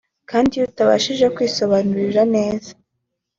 kandi iyo atabashije kwisobanura neza